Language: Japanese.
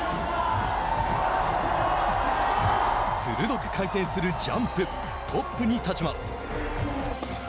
鋭く回転するジャンプトップに立ちます。